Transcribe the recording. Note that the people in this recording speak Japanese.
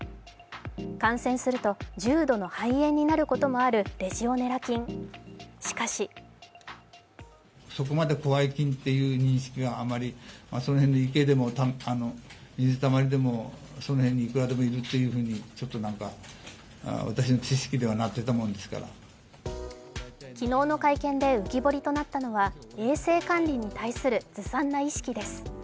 感染すると重度の肺炎になることもあるレジオネラ菌しかし昨日の会見で浮き彫りとなったのは、衛生管理に対するずさんな意識です。